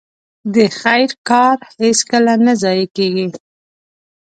د خير کار هيڅکله نه ضايع کېږي.